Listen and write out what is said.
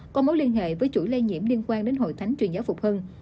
có mối liên hệ với chuỗi lây nhiễm liên quan đến hội thánh truyền giáo phục hưng